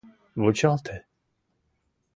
— Вучалте!